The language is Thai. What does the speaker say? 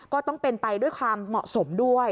ก็ต้องเป็นไปด้วยความเหมาะสมด้วย